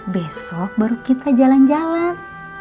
besok baru kita jalan jalan